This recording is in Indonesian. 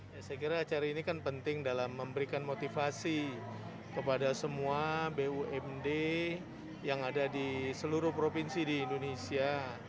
ya saya kira acara ini kan penting dalam memberikan motivasi kepada semua bumd yang ada di seluruh provinsi di indonesia